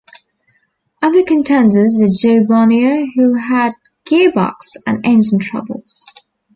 Other contenders were Jo Bonnier, who had gearbox and engine troubles.